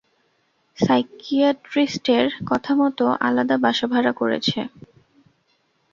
সাইকিয়াট্রিস্টের কথামতো আলাদা বাসা ভাড়া করেছে।